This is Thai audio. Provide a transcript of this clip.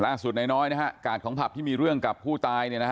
ล่าสุดในน้อยกาดของผัพที่มีเรื่องกับผู้ตาย